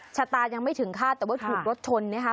ชะตายังไม่ถึงคาดแต่ว่าถูกรถชนนะคะ